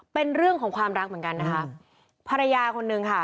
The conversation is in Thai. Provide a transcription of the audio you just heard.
เป็นเรื่องของความรักเหมือนกันนะคะภรรยาคนนึงค่ะ